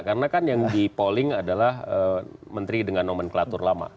karena kan yang di polling adalah menteri dengan nomenklatur lama